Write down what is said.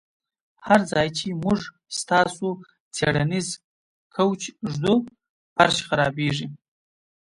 هر ځای چې موږ ستاسو څیړنیز کوچ ږدو فرش خرابیږي